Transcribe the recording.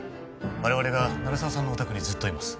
我々が鳴沢さんのお宅にずっといます